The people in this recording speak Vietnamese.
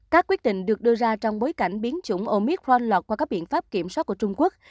các quyết định được đưa ra trong bối cảnh biến chủng omic ran lọt qua các biện pháp kiểm soát của trung quốc